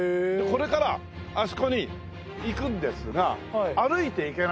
これからあそこに行くんですが歩いて行けないんですよ。